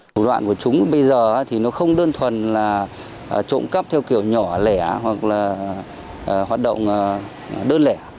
thủ đoạn của chúng bây giờ thì nó không đơn thuần là trộm cắp theo kiểu nhỏ lẻ hoặc là hoạt động đơn lẻ